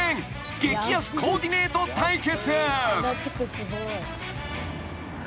［激安コーディネート対決］